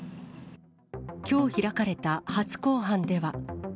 きょう開かれた初公判では。